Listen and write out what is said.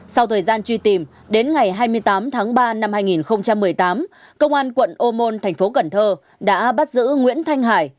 sau thời gian truy tìm đến ngày hai mươi tám tháng ba năm hai nghìn một mươi tám công an quận ô môn thành phố cần thơ đã bắt giữ nguyễn thanh hải